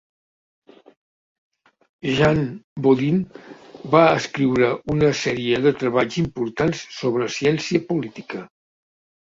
Jean Bodin va escriure una sèrie de treballs importants sobre ciència política.